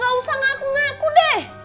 gak usah ngaku ngaku deh